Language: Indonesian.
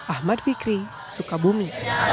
ahmad fikri sukabumi